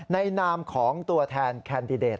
นามของตัวแทนแคนดิเดต